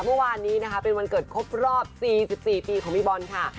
เมื่อวานนี้นะคะเป็นวันเกิดครบรอบ๔๔ปีของพี่บอลค่ะ